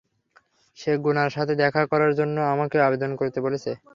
সে গুনার সাথে দেখা করা জন্য আমাকে আবেদন করতে বলছে।